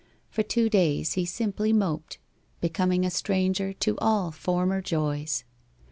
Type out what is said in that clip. For two days he simply moped, becoming a stranger to all former joys.